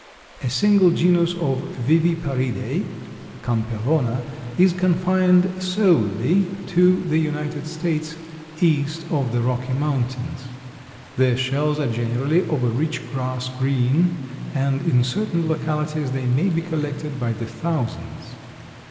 A single genus of Viviparidae (Campelona) is confined solely to the United States, east of the Rocky Mountains. Their shells are generally of a rich grass green and in certain localities they may be collected by the thousands.